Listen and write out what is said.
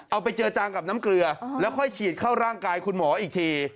เอาไปเจอจางกับน้ำเกลือแล้วค่อยฉีดเข้าร่างกายคุณหมออีกที